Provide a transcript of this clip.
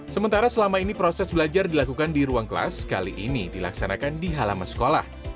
sementara selama ini proses belajar dilakukan di ruang kelas kali ini dilaksanakan di halaman sekolah